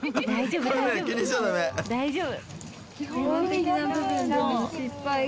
大丈夫。